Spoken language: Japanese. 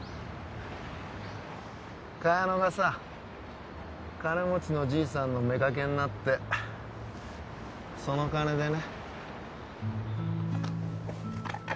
茅野がさ金持ちのじいさんの妾になってその金でね